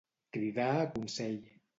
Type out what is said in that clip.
Cridar a consell.